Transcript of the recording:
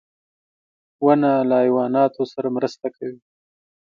• ونه له حیواناتو سره مرسته کوي.